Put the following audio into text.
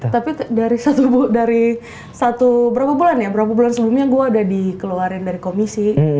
tapi dari satu berapa bulan ya berapa bulan sebelumnya gue udah dikeluarin dari komisi